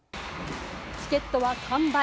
チケットは完売。